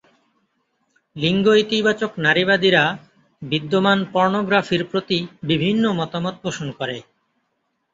লিঙ্গ-ইতিবাচক নারীবাদীরা বিদ্যমান পর্নোগ্রাফির প্রতি বিভিন্ন মতামত পোষণ করে।